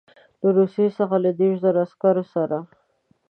له روسیې څخه له دېرشو زرو عسکرو سره.